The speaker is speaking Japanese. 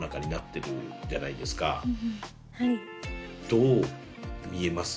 どう見えます？